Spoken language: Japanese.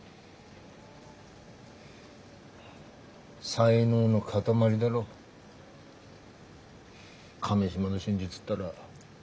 才能の塊だろ亀島の新次っつったら。